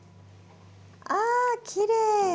あっきれい！